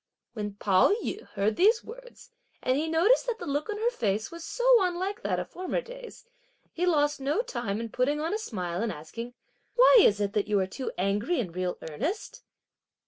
When Pao yü heard these words, and he noticed that the look on her face was so unlike that of former days, he lost no time in putting on a smile and asking: "Why is it that you too are angry in real earnest?"